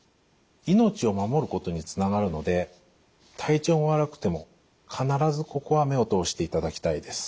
命を守ることにつながるので体調が悪くても必ずここは目を通していただきたいです。